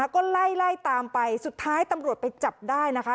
ก็ไล่ไล่ตามไปสุดท้ายตำรวจไปจับได้นะคะ